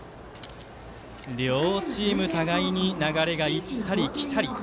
両チーム互いに流れが行ったり来たり。